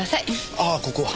ああここは。